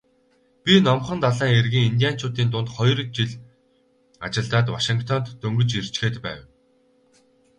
Би Номхон далайн эргийн индианчуудын дунд хоёр жил ажиллаад Вашингтонд дөнгөж ирчхээд байв.